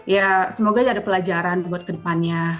ya semoga ada pelajaran buat kedepannya